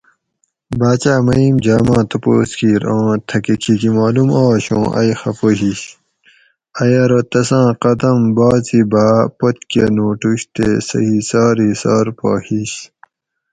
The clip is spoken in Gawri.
باچاۤ مئیم جاۤ ما تپوس کیر اوں تھکہ کھیکی معلوم آش اوں ائی خفہ ہِیش؟ ائی ارو تساۤں قدم بعضی بھاۤ پتکہ نوٹوش تے سہ ہِسار ہِسار پا ھیش